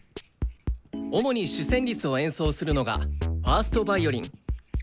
主に主旋律を演奏するのが１ｓｔヴァイオリン。